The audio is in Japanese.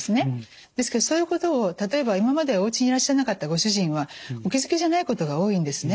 ですけどそういうことを例えば今までおうちにいらっしゃらなかったご主人はお気付きじゃないことが多いんですね。